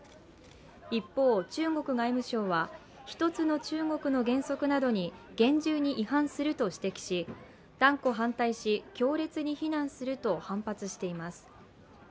一方、中国外務省は、一つの中国の原則などに厳重に違反すると指摘し、断固反対し、強烈に非難すると反発しています。